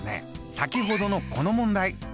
先ほどのこの問題。